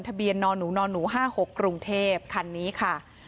ทะเบียนนหนูนหนู๕๖กรุงเทพคันนี้ค่ะ